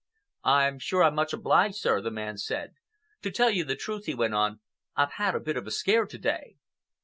"I'm sure I'm much obliged, sir," the man said. "To tell you the truth," he went on, "I've had a bit of a scare to day."